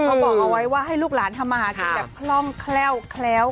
บอกเอาไว้ว่าให้ลูกหลานทำมาหากินแบบคล่องแคล่วแคล้ว